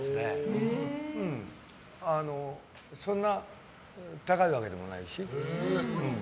そんな高いわけでもないし。